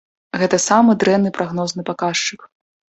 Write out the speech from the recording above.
Гэта самы дрэнны прагнозны паказчык.